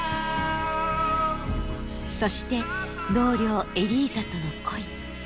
そして同僚エリーザとの恋。